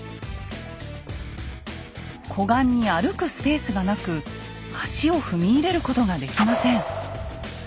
湖岸に歩くスペースがなく足を踏み入れることができません。